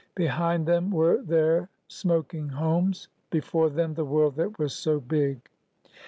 Behind them were their smoking homes ; before them, the world that was so big